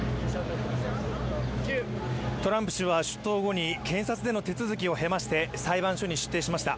トランプ氏は出頭後に検察での手続きを経て裁判所に出廷しました。